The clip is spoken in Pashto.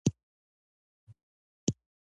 د مکې مشرکان په زړه سخت و.